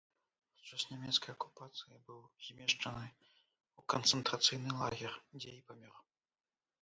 Падчас нямецкай акупацыі быў змешчаны ў канцэнтрацыйны лагер, дзе і памёр.